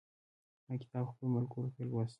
هغه کتاب خپلو ملګرو ته لوست.